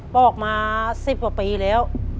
ปอกมา๑๐ปีแล้ว